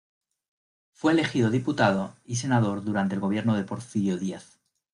Fue elegido diputado y senador durante el gobierno de Porfirio Díaz.